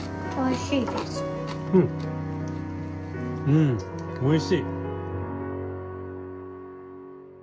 うんおいしい。